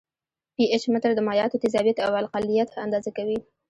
پي ایچ متر د مایعاتو تیزابیت او القلیت اندازه کوي.